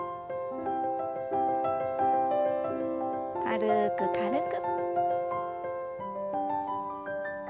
軽く軽く。